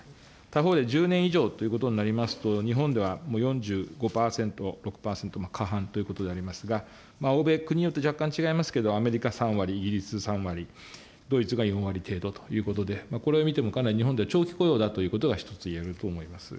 他方で１０年以上ということになりますと、日本では４５％、６％過半ということでありますが、欧米、国によって若干違いますけど、アメリカ３割、イギリス３割、ドイツが４割程度ということで、これを見ても、かなり日本では長期雇用だということが一ついえると思います。